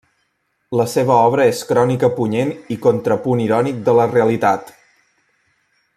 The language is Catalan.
La seva obra és crònica punyent i contrapunt irònic de la realitat.